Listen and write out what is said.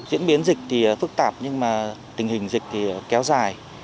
diễn biến dịch thì phức tạp nhưng mà tình hình dịch thì kéo dài